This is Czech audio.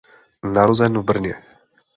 Narozena v Brně.